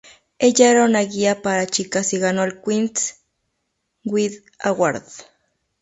Ella era una guía para chicas y ganó el Queen's Guide Award.